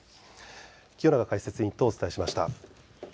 清永解説委員とお伝えしました。